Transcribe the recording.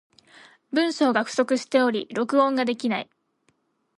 文章が不足しており、録音ができない。